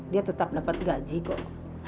dia tetap dapat gaji kok